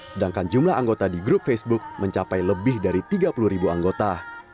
sedangkan jumlah anggota di grup facebook mencapai lebih dari tiga puluh ribu anggota